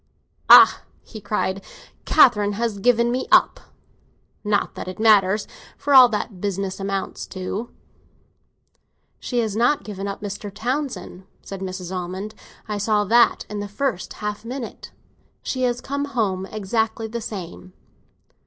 Ah!" he cried, "Catherine has given me up. Not that it matters, for all that the business amounts to." "She has not given up Mr. Townsend," said Mrs. Almond. "I saw that in the first half minute. She has come home exactly the same."